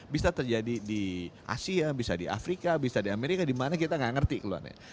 bisa terjadi di asia bisa di afrika bisa di amerika di mana kita nggak ngerti keluhannya